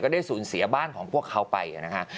ได้สูญเสียบ้านของพวกเขาไปนะคะ